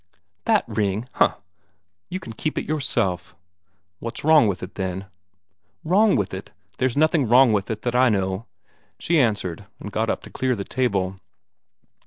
"That ring! Huh! You can keep it yourself." "What's wrong with it, then?" "Wrong with it? There's nothing wrong with it that I know," she answered, and got up to clear the table.